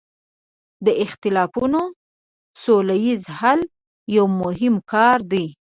د اختلافونو سوله ییز حل یو مهم کار دی.